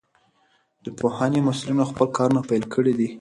د پوهنې مسئولينو خپل کارونه پيل کړي دي.